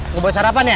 mau bawa sarapan ya